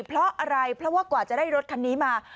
เพราะอะไรเพราะว่ากว่าจะได้รถคันนี้มา